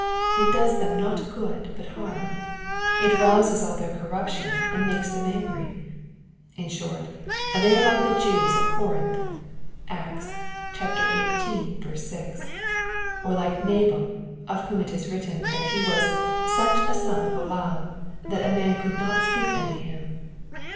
It does them not good but harm. It rouses all their corruption, and makes them angry. In short, they are like the Jews at Corinth, (Acts xviii. 6,) or like Nabal, of whom it is written, that he was " such a son of Belial, that a man could not speak unto him."